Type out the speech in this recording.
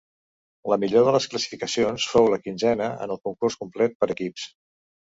La millor de les classificacions fou la quinzena en el concurs complet per equips.